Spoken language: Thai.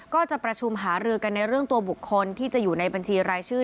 ก็จะประชุมหารือกันในเรื่องตัวบุคคลที่จะอยู่ในบัญชีรายชื่อ